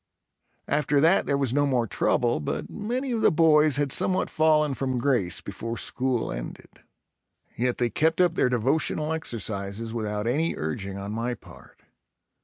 After that there was no more trouble but many of the boys had somewhat fallen from grace before school ended. Yet they kept up their devotional exercises without any urging on my part.